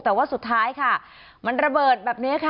แต่ว่าสุดท้ายค่ะมันระเบิดแบบนี้ค่ะ